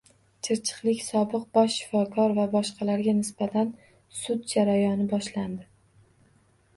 Chirchiqlik sobiq bosh shifokor va boshqalarga nisbatan sud jarayoni boshlandi